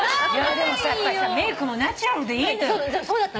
でもさやっぱりさメークもナチュラルでいいのよ。